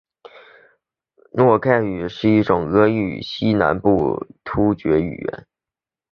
诺盖语是一个俄罗斯西南部的突厥语言。